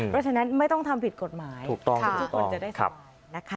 เพราะฉะนั้นไม่ต้องทำผิดกฎหมายทุกคนจะได้สบายนะคะ